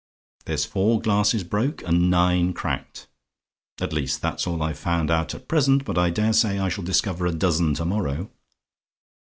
"There's four glasses broke, and nine cracked. At least, that's all I've found out at present; but I daresay I shall discover a dozen to morrow.